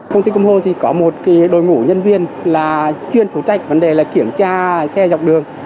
công ty công hôn có một đội ngũ nhân viên chuyên phụ trách vấn đề kiểm tra xe dọc đường